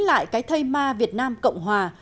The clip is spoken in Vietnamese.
lại cái thây ma việt nam cộng hòa